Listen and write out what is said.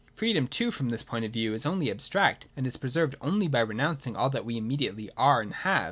Freedom too from this point of view is only ab stract, and is preserved only by renouncing all that we immediately are and have.